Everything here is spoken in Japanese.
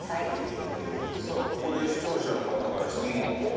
さあここで視聴者の方から質問来てますね。